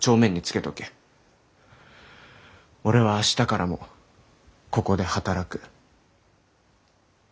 俺は明日からもここで働く。